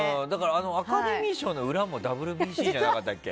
アカデミー賞の裏もＷＢＣじゃなかったっけ。